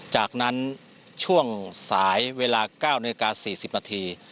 จากนั้นช่วงสายเวลา๙นาฬิกา๔๐นาที